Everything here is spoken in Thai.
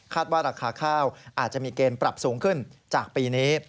ว่าราคาข้าวอาจจะมีเกณฑ์ปรับสูงขึ้นจากปีนี้